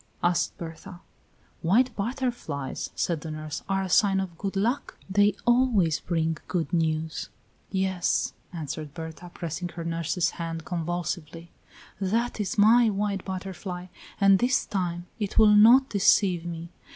asked Berta. "White butterflies," said the nurse, "are a sign of good luck; they always bring good news." "Yes," answered Berta, pressing her nurse's hand convulsively. "That is my white butterfly, and this time it will not deceive me.